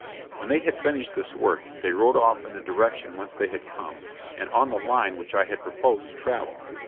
When they had finished this work they rode off in the direction whence they had come and on the line which I had proposed to travel.